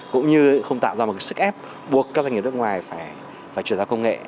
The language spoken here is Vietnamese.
cũng như không tạo ra một sức ép buộc các doanh nghiệp nước ngoài phải trở ra công nghệ